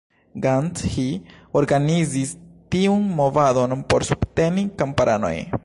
Gandhi organizis tiun movadon por subteni kamparanoj.